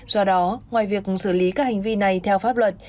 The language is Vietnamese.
do đó ngoài việc xử lý các hành vi này theo pháp luật